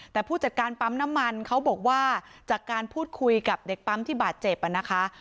แต่ผู้จัดการปั๊มน้ำมันเขาบอกว่าจากการพูดคุยกับเด็กปั๊มที่บาดเจ็บนะคะ